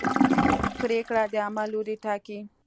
پرېکړه د عمل لوری ټاکي.